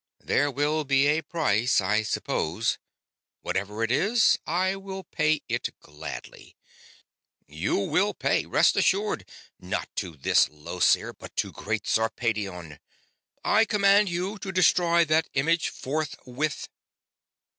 There will be a price, I suppose. Whatever it is, I will pay it gladly." "You will pay, rest assured; not to this Llosir, but to great Sarpedion. I command you to destroy that image forthwith."